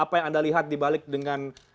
apa yang anda lihat di balik dengan